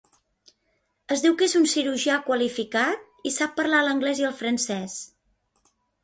Es diu que és un cirurgià qualificat i sap parlar l'anglès i el francès.